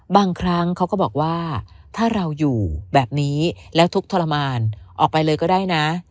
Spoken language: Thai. บางครั้งเขาก็บอกว่าถ้าเราอยู่แบบนี้แล้วทุกข์ทรมานออกไปเลยก็ได้นะ